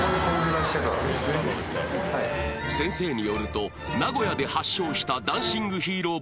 先生によると名古屋で発祥した「ダンシング・ヒーロー」